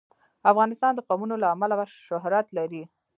افغانستان د قومونه له امله شهرت لري.